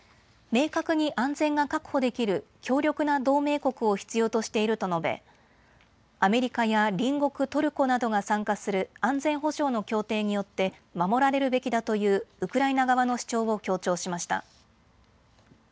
明確に安全が確保できる強力な同盟国を必要としていると述べアメリカや隣国トルコなどが参加する安全保障の協定によって守られるべきだというウクライナ側の主張を強調しました。